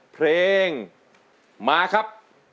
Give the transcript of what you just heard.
เพลงมาครับ